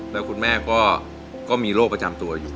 แล้วคุณแม่ก็มีโรคประจำตัวอยู่